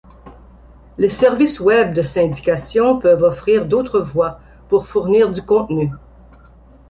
Les services web de syndication peuvent offrir d'autres voies pour fournir du contenu.